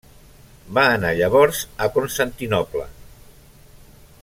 Va anar llavors a Constantinoble.